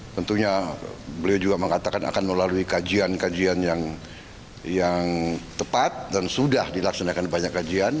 tentunya beliau juga mengatakan akan melalui kajian kajian yang tepat dan sudah dilaksanakan banyak kajian